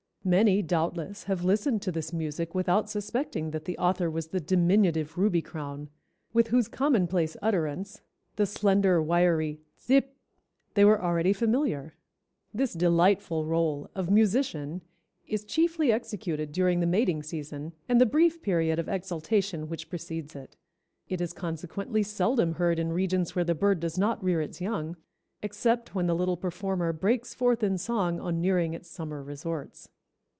Many doubtless, have listened to this music without suspecting that the author was the diminutive Ruby crown, with whose commonplace utterance, the slender, wiry 'tsip,' they were already familiar. This delightful role, of musician, is chiefly executed during the mating season, and the brief period of exaltation which precedes it. It is consequently seldom heard in regions where the bird does not rear its young, except when the little performer breaks forth in song on nearing its summer resorts."